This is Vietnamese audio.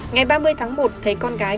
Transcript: ngày ba mươi tháng một thấy con gái